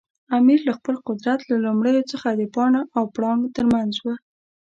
امیر له خپل قدرت له لومړیو څخه د پاڼ او پړانګ ترمنځ و.